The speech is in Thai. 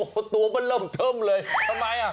เพราะตัวมันเริ่มเทิมเลยทำไมอ่ะ